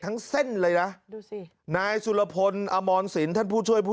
เส้นเลยนะดูสินายสุรพลอมรสินท่านผู้ช่วยผู้